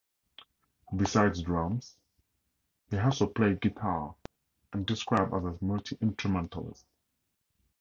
Besides drums, he also played guitar and was described as a multi-instrumentalist.